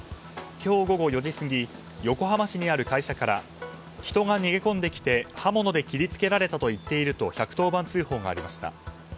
今日午後４時過ぎ横浜市にある会社から人が逃げ込んできて刃物で切り付けられたと言っていると１１０番通報がありました。